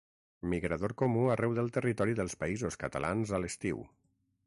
Migrador comú arreu del territori dels Països Catalans a l'estiu.